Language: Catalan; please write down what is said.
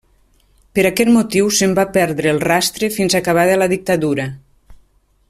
Per aquest motiu se'n va perdre el rastre fins acabada la dictadura.